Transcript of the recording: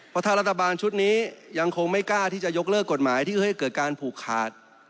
เพราะถ้ารัฐบาลชุดนี้ยังคงไม่กล้าที่จะยกเลิกกฎหมายที่ให้เกิดการผูกขาด